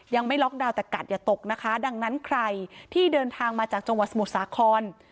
ล็อกดาวน์แต่กัดอย่าตกนะคะดังนั้นใครที่เดินทางมาจากจังหวัดสมุทรสาคร